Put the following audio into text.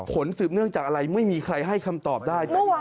สืบเนื่องจากอะไรไม่มีใครให้คำตอบได้